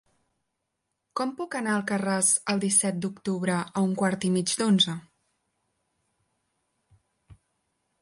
Com puc anar a Alcarràs el disset d'octubre a un quart i mig d'onze?